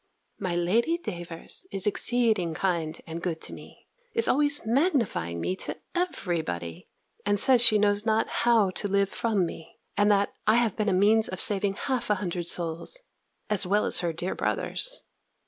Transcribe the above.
My Lady Davers is exceeding kind and good to me, is always magnifying me to every body, and says she knows not how to live from me: and that I have been a means of saving half a hundred souls, as well as her dear brother's.